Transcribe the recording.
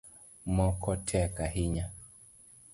Moko tek ahinya